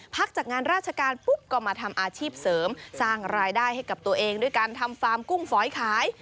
จากงานราชการปุ๊บก็มาทำอาชีพเสริมสร้างรายได้ให้กับตัวเองด้วยการทำฟาร์มกุ้งฝอยขาย